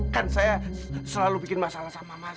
kan saya selalu bikin masalah sama mas